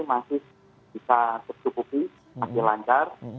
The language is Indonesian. masih bisa tercukupi masih lancar